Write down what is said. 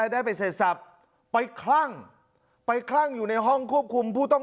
ได้ไปเสร็จสับไปคลั่งไปคลั่งอยู่ในห้องควบคุมผู้ต้อง